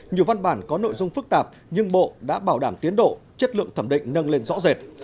nhiều văn bản có nội dung phức tạp nhưng bộ đã bảo đảm tiến độ chất lượng thẩm định nâng lên rõ rệt